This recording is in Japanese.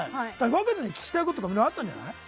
若ちゃんに聞きたいことあったんじゃない？